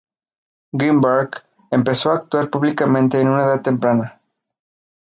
Greenberg empezó actuar públicamente en una edad temprana.